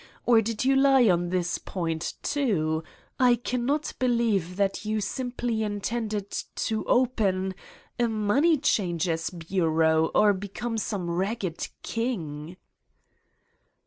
Or did you lie on this point, too? I cannot believe that you simply intend to open ... a money changer's bureau or become some ragged king!"